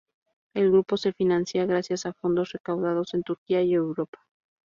El grupo se financia gracias a fondos recaudados en Turquía y Europa.